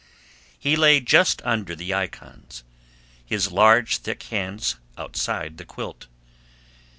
He lay just under the icons; his large thick hands outside the quilt.